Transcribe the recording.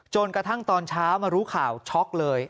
จนกระทั่งตอนเช้ามารู้ข่าวช็อกเลย